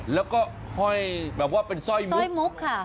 แล้วก็ห้อยแบบว่าเป็นสร้อยมุกสร้อยมุกค่ะ